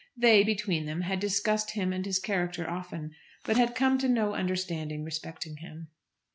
They, between them, had discussed him and his character often; but had come to no understanding respecting him.